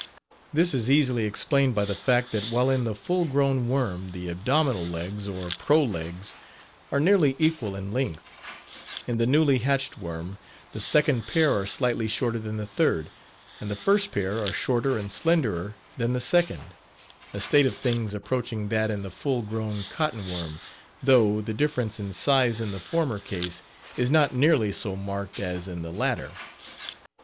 This is easily explained by the fact that while in the full grown worm the abdominal legs, or pro legs, are nearly equal in length, in the newly hatched worm the second pair are slightly shorter than the third, and the first pair are shorter and slenderer than the second a state of things approaching that in the full grown cotton worm, though the difference in size in the former case is not nearly so marked as in the latter.